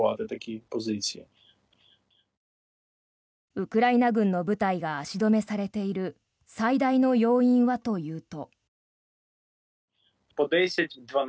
ウクライナ軍の部隊が足止めされている最大の要因はというと。